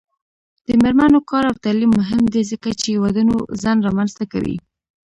د میرمنو کار او تعلیم مهم دی ځکه چې ودونو ځنډ رامنځته کوي.